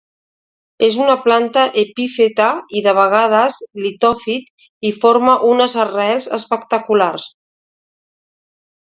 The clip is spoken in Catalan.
És una planta epífita i, de vegades, litòfit i forma unes arrels espectaculars.